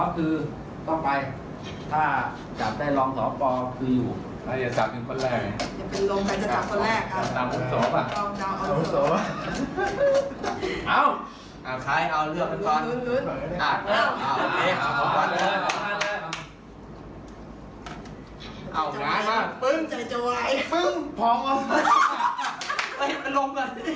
ปึ้งพร้อม